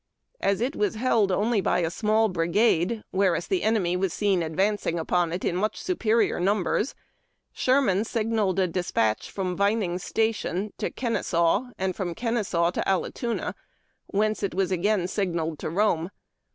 As it was only held by a small brigade, whereas the enemy was seen advancing upon it in much superior numbers, Sher man signalled a despatch from Vining's Station to Kenesaw, and from Kenesaw to Allatoona, wdience it was again sisr nailed to Rome.